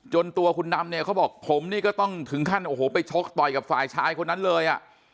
ตัวคุณนำเนี่ยเขาบอกผมนี่ก็ต้องถึงขั้นโอ้โหไปชกต่อยกับฝ่ายชายคนนั้นเลยอ่ะ